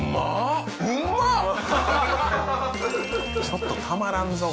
ちょっとたまらんぞ